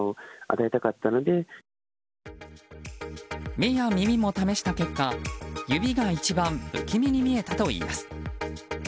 目や耳も試した結果、指が一番不気味に見えたといいます。